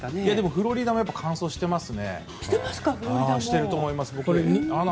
フロリダも乾燥しています。